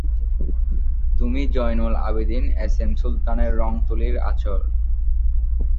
তুমি Zainul Abedin, S M সুলতানের রঙ তুলীর আঁচড়।